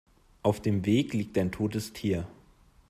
Auf dem Weg liegt ein totes Tier.